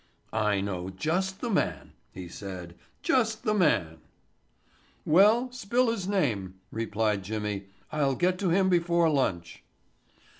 "I know just the man," he said, "just the man." "Well, spill his name," replied Jimmy. "I'll get to him before lunch."